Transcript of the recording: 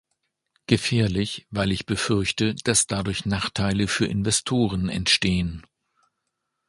Gefährlich, weil ich befürchte, dass dadurch Nachteile für Investoren entstehen.